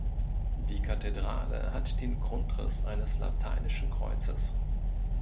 Die Kathedrale hat den Grundriss eines lateinischen Kreuzes.